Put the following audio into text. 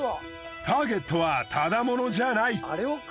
ターゲットはただ者じゃない。